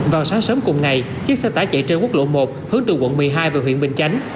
vào sáng sớm cùng ngày chiếc xe tải chạy trên quốc lộ một hướng từ quận một mươi hai về huyện bình chánh